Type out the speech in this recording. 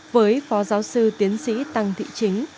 với phó giáo sư tiến sĩ tăng thị chính